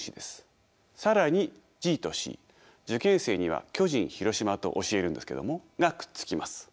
更にＧとＣ受験生には巨人広島と教えるんですけどもがくっつきます。